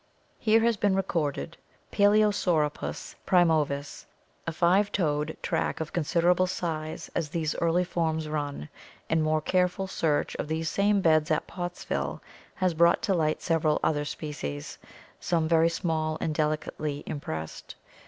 Here has been recorded Paksosaurojms prinuevus, a five toed track of considerable size as these early forms run, and more careful search of these same beds at Pottsville has brought to light several other species, some very small and delicately impressed.